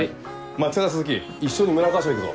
牧高鈴木一緒に村川署行くぞ。